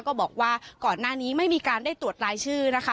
ก็บอกว่าก่อนหน้านี้ไม่มีการได้ตรวจรายชื่อนะคะ